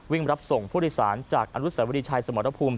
วิ่งรับส่งผู้โดยสารจากอนุสาวรีชัยสมรภูมิ